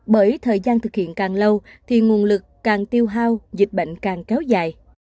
bởi thời gian thực hiện càng lâu thì nguồn lực càng tiêu hao dịch bệnh càng kéo dài